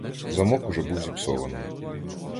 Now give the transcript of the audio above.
Замок уже був зіпсований.